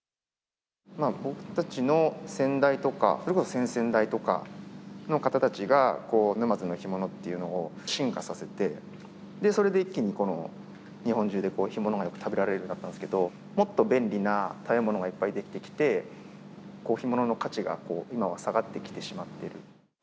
僕たちの先代とか、それこそ先々代とかの方たちが、沼津の干物っていうのを進化させて、それで一気に日本中で干物がよく食べられるようになったんですけど、もっと便利な食べ物がいっぱい出てきて、干物の価値が今は下がってきてしまっている。